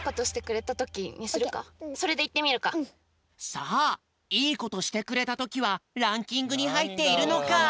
さあ「いいことしてくれたとき」はランキングにはいっているのか？